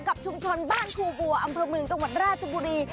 กับชุมชนบ้านครูบัวอัมพรมืองตะวันราชบุรี